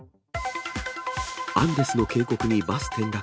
アンデスの渓谷にバス転落。